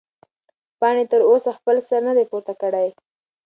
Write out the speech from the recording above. پاڼې تر اوسه خپل سر نه دی پورته کړی.